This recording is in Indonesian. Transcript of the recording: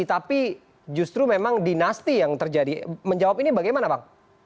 tapi justru memang dinasti yang terjadi menjawab ini bagaimana bang